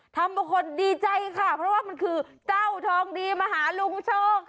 บางคนดีใจค่ะเพราะว่ามันคือเจ้าทองดีมาหาลุงโชค